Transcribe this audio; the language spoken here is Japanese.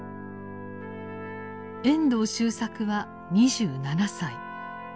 遠藤周作は２７歳。